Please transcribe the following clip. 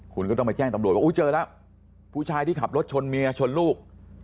คุณก็ต้องไปแจ้งตำรวจว่าอุ้ยเจอแล้วผู้ชายที่ขับรถชนเมียชนลูก